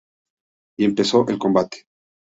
Y empezó el combate.